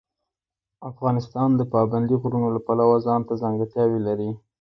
افغانستان د پابندي غرونو له پلوه ځانته ځانګړتیاوې لري.